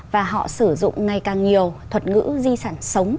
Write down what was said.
và họ sử dụng ngày càng nhiều thuật ngữ di sản sống